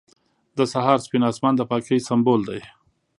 • د سهار سپین آسمان د پاکۍ سمبول دی.